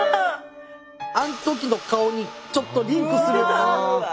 あん時の顔にちょっとリンクする。